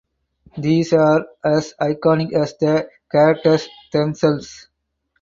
These are as iconic as the characters themselves.